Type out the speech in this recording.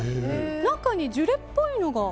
中にジュレっぽいのが。